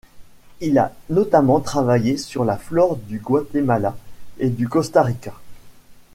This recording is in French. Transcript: Il a notamment travaillé sur la flore du Guatémala et du Costa Rica.